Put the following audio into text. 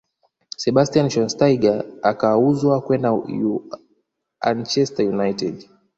sebastian schweinsteiger akauzwa kwenda uanchester United